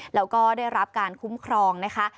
แล้วก็ได้รับการคุ้มครองนะคะ